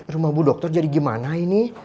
rumah bu dokter jadi gimana ini